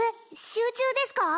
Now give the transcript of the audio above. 集中ですか？